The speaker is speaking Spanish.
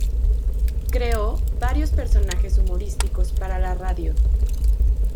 Creó varios personajes humorísticos para la radio.